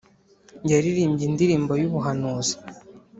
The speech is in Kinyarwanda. yaririmbye indirimbo yubuhanuzi